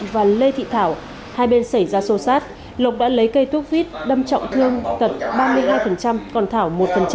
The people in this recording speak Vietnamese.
và lê thị thảo hai bên xảy ra sô sát lộc đã lấy cây thuốc vít đâm trọng thương tật ba mươi hai còn thảo một